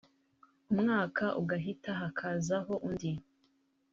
umwaka ugahita hakazaho undi